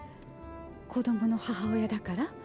子供の母親だから？